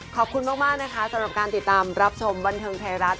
ขอบคุณมากนะคะสำหรับการติดตามรับชมบันเทิงไทยรัฐ